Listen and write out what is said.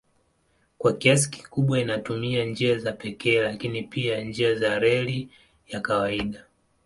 Kwa kiasi kikubwa inatumia njia za pekee lakini pia njia za reli ya kawaida.